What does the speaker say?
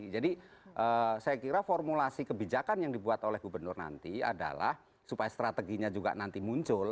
jadi saya kira formulasi kebijakan yang dibuat oleh gubernur nanti adalah supaya strateginya juga nanti muncul